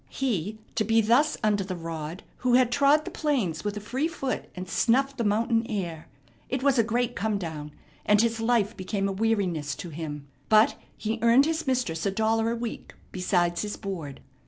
He to be thus under the rod who had trod the plains with a free foot and snuffed the mountain air! It was a great come down, and his life became a weariness to him. But he earned his mistress a dollar a week besides his board.